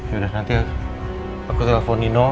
yaudah nanti aku telepon nino